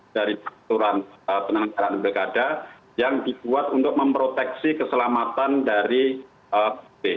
ada sejumlah perubahan dari penyelenggaraan pilkada yang dibuat untuk memproteksi keselamatan dari pilih